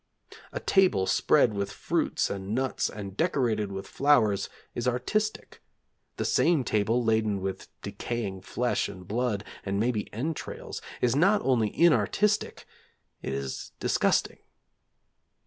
A table spread with fruits and nuts and decorated with flowers is artistic; the same table laden with decaying flesh and blood, and maybe entrails, is not only inartistic it is disgusting.